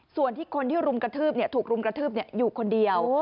ส่วนคนที่ถูกลุมกระทืบอยู่คนเดียว